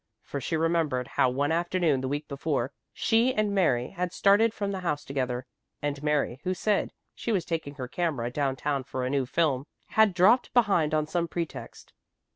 For she remembered how one afternoon the week before, she and Mary had started from the house together, and Mary, who said she was taking her camera down town for a new film, had dropped behind on some pretext.